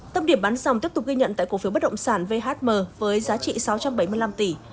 tâm điểm bắn dòng tiếp tục ghi nhận tại cổ phiếu bất động sản vhm với giá trị sáu trăm bảy mươi năm tỷ